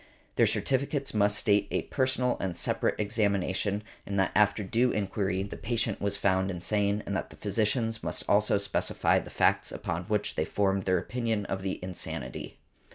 Their certificates must state a personal and separate examination, and that after due enquiry the patient was found insane; and the physicians must also specify the facts upon which they formed their opinion of the insanity.